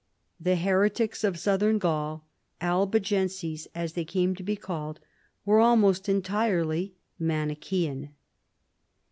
The heretics of Southern Gaul, Albigenses as they came to be called, were almost entirely Manichean.